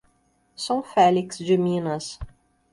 São Félix de Minas